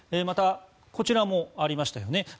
また、こちらもありましたよね。